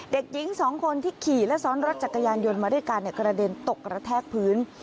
เด็กหญิงสองคนที่ขี่และซ้อนรถจักรยานยนต์มาด้วยกันกระเด็นตกกระแทกพื้น